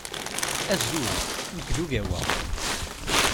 Azul. Nekk d Ogawa.